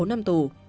bốn năm tù